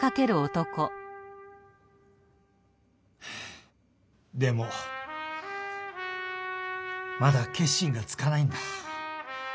はぁでもまだ決心がつかないんだ。